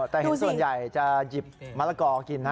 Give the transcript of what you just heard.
แต่เห็นส่วนใหญ่จะหยิบมะละกอกินนะ